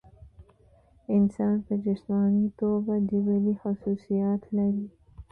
انسان پۀ جسماني توګه جبلي خصوصيات لري